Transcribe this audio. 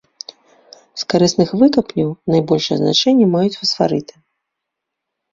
З карысных выкапняў найбольшае значэнне маюць фасфарыты.